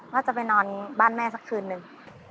ว่าจะไปนอนบ้านแม่สักคืนนึง